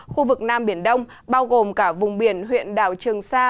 khu vực nam biển đông bao gồm cả vùng biển huyện đảo trường sa